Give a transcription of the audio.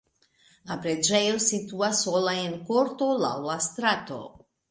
La preĝejo situas sola en korto laŭ la strato.